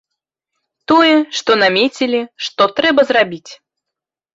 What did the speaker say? Тое, што намецілі, што трэба зрабіць.